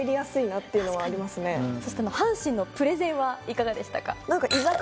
そして阪神のプレゼンはいかがでしたか？